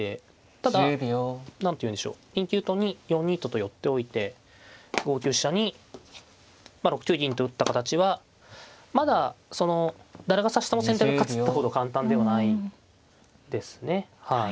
ただ何ていうんでしょう２九とに４二とと寄っておいて５九飛車に６九銀と打った形はまだ誰が指しても先手が勝つってほど簡単ではないですね。